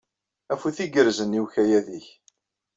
Afud igerrzen i ukayad-ik.